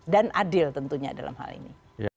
dan adil tentunya dalam hal ini